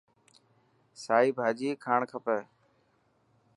سائي ڀاڄي کائڻ کپي.